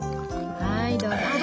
はいどうぞ。